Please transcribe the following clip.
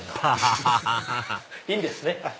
ハハハハハいいんですね。